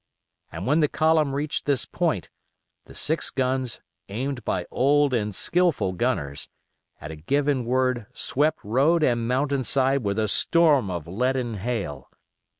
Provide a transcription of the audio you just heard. And when the column reached this point the six guns, aimed by old and skilful gunners, at a given word swept road and mountain side with a storm of leaden hail.